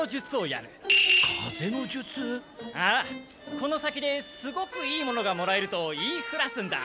この先ですごくいいものがもらえると言いふらすんだ。